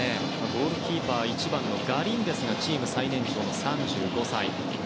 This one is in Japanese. ゴールキーパー１番のガリンデスがチーム最年長、３５歳。